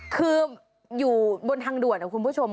คืออยู่บนทางด่วนนะคุณผู้ชม